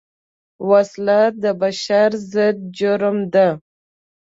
وسله د بشر ضد جرم ده